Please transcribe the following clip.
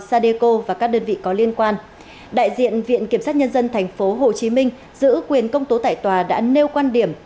sadeco và các đơn vị có liên quan đại diện viện kiểm sát nhân dân tp hcm giữ quyền công tố tại tòa đã nêu quan điểm